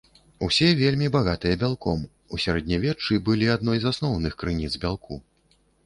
Усе вельмі багатыя бялком, у сярэднявеччы былі адной з асноўных крыніц бялку.